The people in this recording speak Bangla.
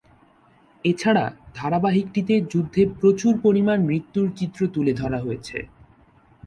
এছাড়া ধারাবাহিকটিতে যুদ্ধে প্রচুর পরিমাণ মৃত্যুর চিত্র তুলে ধরা হয়েছে।